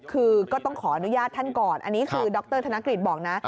คือก็ต้องขออนุญาตท่านก่อนอันนี้คือดรธนกฤษบอกนะ